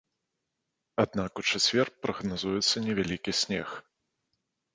Аднак у чацвер прагназуецца невялікі снег.